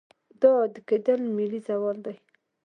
دا عادي کېدل ملي زوال دی.